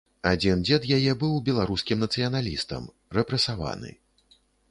Адзін дзед яе быў беларускім нацыяналістам, рэпрэсаваны.